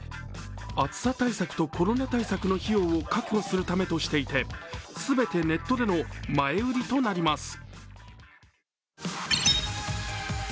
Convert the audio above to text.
暑さ対策とコロナ対策の費用を確保するためとしていて全てネットでの前売りとなります。